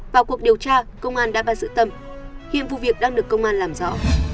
vào cuộc điều tra công an đã bắt giữ tâm hiện vụ việc đang được công an làm rõ